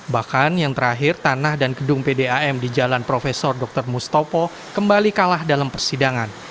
bahkan yang terakhir tanah dan gedung pdam di jalan prof dr mustopo kembali kalah dalam persidangan